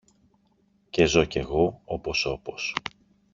και ζω κι εγώ όπως όπως